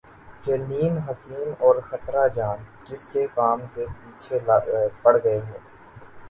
کہ نیم حکیم اور خطرہ جان ، کس کام کے پیچھے پڑ گئے ہو